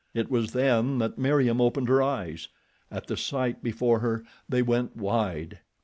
It was then that Meriem opened her eyes. At the sight before her they went wide.